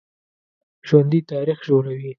ژوندي تاریخ جوړوي